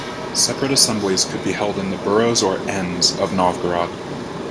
Separate assemblies could be held in the boroughs or "Ends" of Novgorod.